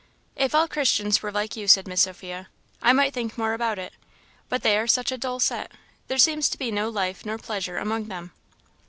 "If all Christians were like you," said Miss Sophia, "I might think more about it; but they are such a dull set; there seems to be no life nor pleasure among them."